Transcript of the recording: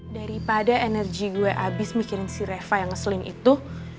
daripada energi gue abis mikirin si reva yang sling itu